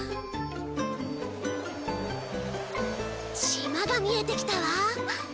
島が見えてきたわ。